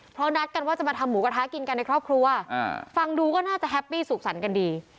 เพราะนัดกันว่าจะมาทำหมูกระทะกินกันในครอบครัวฟังดูก็น่าจะแฮปปี้สุขสรรค์กันดี